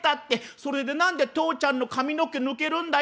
「それで何で父ちゃんの髪の毛抜けるんだよ」。